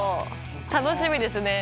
楽しみですね。